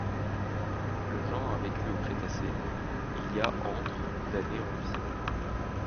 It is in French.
Le genre a vécu au Crétacé, il y a entre d'années en Russie.